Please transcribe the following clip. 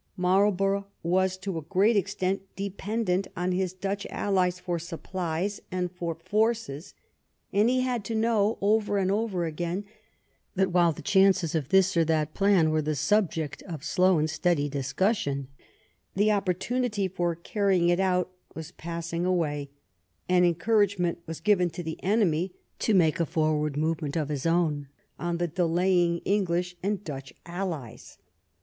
Marlborough was to a great extent dependent on his Dutch allies for supplies and for 104 ♦'THE CAMPAIGN"— BLENHEIM lorces, and he had to know, over and over again, that while the chances of this or that plan were the subject of slow and steady discussion, the opportunity for car rying it out was passing away, and encouragement was given to the enemy to make a forward movement of his own on the delaying English and Dutch allies.